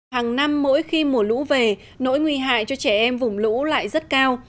hàng năm mỗi khi mùa lũ về nỗi nguy hại cho trẻ em vùng lũ lại rất cao